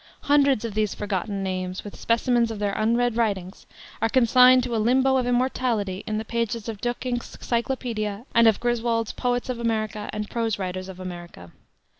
Hundreds of these forgotten names, with specimens of their unread writings, are consigned to a limbo of immortality in the pages of Duyckinck's Cyclopedia, and of Griswold's Poets of America and Prose Writers of America.